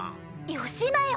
よしなよ